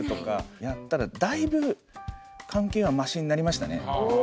でやったらだいぶ関係はマシになりましたね。